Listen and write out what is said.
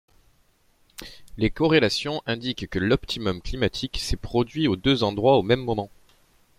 Les corrélations indiquent que l'optimum climatique s'est produit aux deux endroits au même moment.